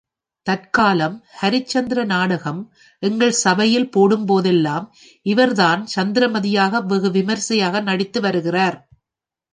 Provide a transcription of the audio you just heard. தற்காலம் ஹரிச்சந்திர நாடகம் எங்கள் சபையில் போடும்போதெல்லாம் இவர்தான் சந்திரமதியாக வெகு விமரிசையாக நடித்து வருகிறார்.